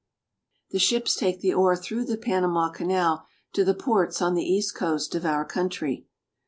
The ships take the ore through the Panama Canal to the ports on the east coast of our country.